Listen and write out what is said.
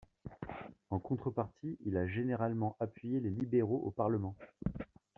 En contrepartie, il a généralement appuyé les libéraux au Parlement.